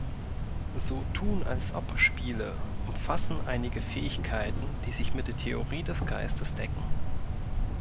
„So tun als ob“-Spiele umfassen einige Fähigkeiten, die sich mit der Theorie des Geistes decken.